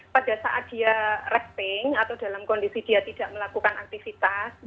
pada saat dia rasting atau dalam kondisi dia tidak melakukan aktivitas